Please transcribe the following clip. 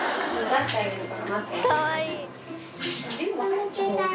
かわいい。